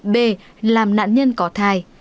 b làm nạn nhân có thai